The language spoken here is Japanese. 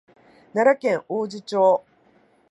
奈良県王寺町